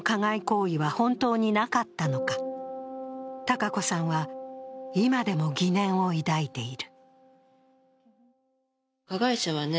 かこさんは今でも疑念を抱いている。